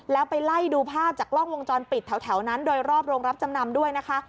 แล้วไปไล่ดูภาพจากกล้องวงจรปิดแถวนั้นโดยรอบโรงรับจำนำด้วยนะคะ